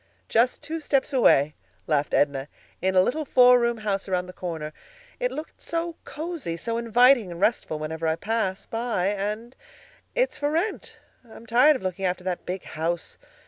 "Just two steps away," laughed Edna, "in a little four room house around the corner. It looks so cozy, so inviting and restful, whenever I pass by; and it's for rent. I'm tired looking after that big house.